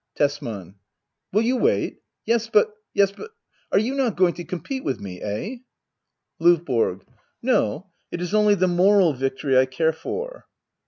Tesman. Will you wait ? Yes but — ^yes but — are you not going to compete with me ? £h ? LdVBORO. No ; it is only the moral victory I care for.